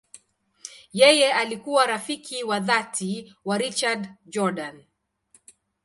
Yeye alikuwa rafiki wa dhati wa Richard Jordan.